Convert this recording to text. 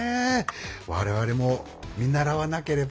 我々も見習わなければ。